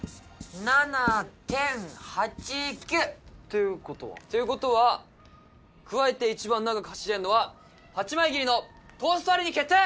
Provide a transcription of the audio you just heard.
７．８９ということは？ということは咥えて一番長く走れるのは８枚切りのトーストありに決定